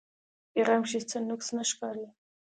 پۀ پېغام کښې څۀ نقص نۀ ښکاري